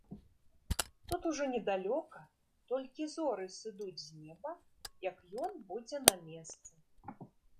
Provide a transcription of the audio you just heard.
Тут ужо недалёка, толькі зоры сыдуць з неба, як ён будзе на месцы.